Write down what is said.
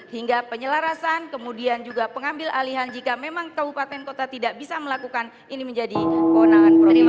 hingga penyelarasan kemudian juga pengambil alihan jika memang kabupaten kota tidak bisa melakukan ini menjadi kewenangan pemerintah